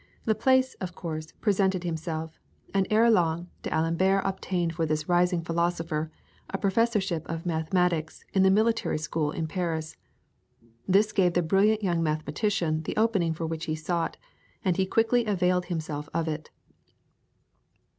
Laplace, of course, presented himself, and ere long D'Alembert obtained for the rising philosopher a professorship of mathematics in the Military School in Paris. This gave the brilliant young mathematician the opening for which he sought, and he quickly availed himself of it.